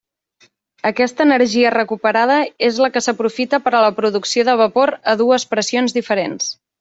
Aquesta energia recuperada és la que s'aprofita per a la producció de vapor a dues pressions diferents.